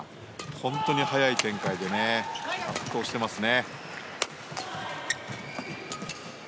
本当に速い展開で圧倒していますね。